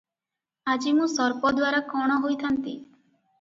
ଆଜି ମୁଁ ସର୍ପଦ୍ୱାରା କଣ ହୋଇଥାନ୍ତି ।